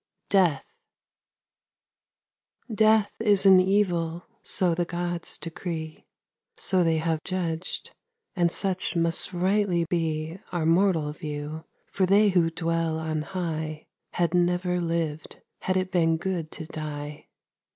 DEATH Death is an evil; so the Gods decree, So they have judged, and such must rightly be Our mortal view; for they who dwell on high Had never lived, had it been good to die.